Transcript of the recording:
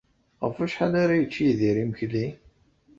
Ɣef wacḥal ara yečč Yidir imekli?